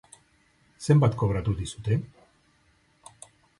Zenbat kobratu dizute?